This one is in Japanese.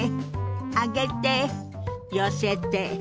上げて寄せて。